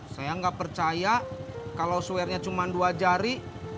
saya gak percaya kalau swearnya cuma dua jari